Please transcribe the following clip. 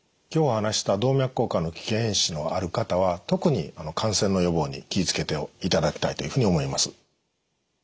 今日お話しした動脈硬化の危険因子のある方は特に感染の予防に気を付けていただきたいと思います。